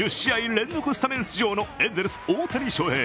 連続スタメン出場のエンゼルス・大谷翔平。